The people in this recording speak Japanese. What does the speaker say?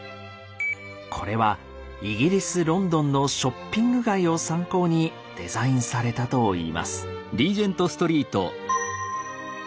これはイギリスロンドンのショッピング街を参考にデザインされたといいます。